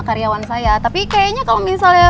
karyawan saya tapi kayaknya kalau misalnya